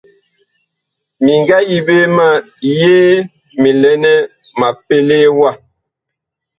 Mi nga yi ɓe ma yee mi lɛ nɛ ma pelee wa.